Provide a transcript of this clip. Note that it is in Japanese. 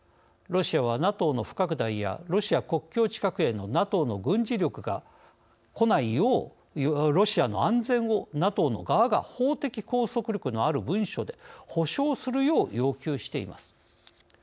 ロシアは、ＮＡＴＯの不拡大やロシア国境近くへのＮＡＴＯの軍事力がこないようロシアの安全をＮＡＴＯの側が法的拘束力のある文書で保障するよう要求しています。